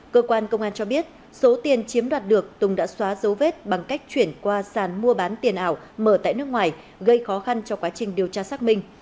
cơ quan công an cho biết số tiền chiếm đoạt được tùng đã xóa dấu vết bằng cách chuyển qua sàn mua bán tiền ảo mở tại nước ngoài gây khó khăn cho quá trình điều tra xác minh